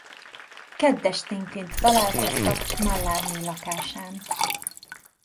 Kedd esténként találkoztak Mallarmé lakásán.